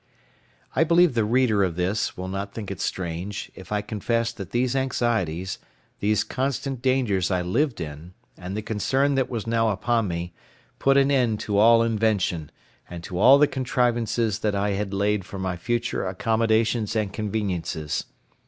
I believe the reader of this will not think it strange if I confess that these anxieties, these constant dangers I lived in, and the concern that was now upon me, put an end to all invention, and to all the contrivances that I had laid for my future accommodations and conveniences.